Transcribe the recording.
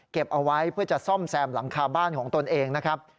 เอาไว้เพื่อจะซ่อมแซมหลังคาบ้านของตนเองนะครับ